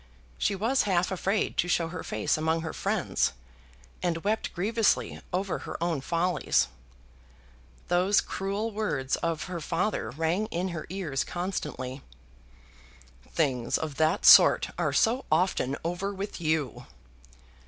She was half afraid to show her face among her friends, and wept grievously over her own follies. Those cruel words of her father rang in her ears constantly: "Things of that sort are so often over with you."